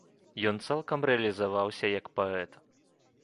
Ён цалкам рэалізаваўся як паэт.